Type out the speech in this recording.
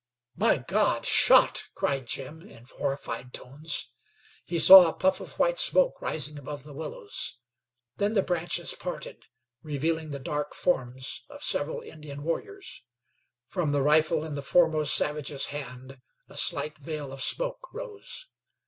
"My God! Shot!" cried Jim, in horrified tones. He saw a puff of white smoke rising above the willows. Then the branches parted, revealing the dark forms of several Indian warriors. From the rifle in the foremost savage's hand a slight veil of smoke rose.